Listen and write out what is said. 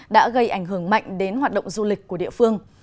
đã gây ảnh hưởng mạnh đến hoạt động du lịch của địa phương